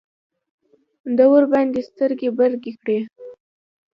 ده ورباندې سترګې برګې کړې.